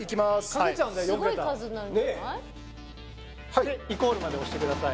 はいイコールまで押してください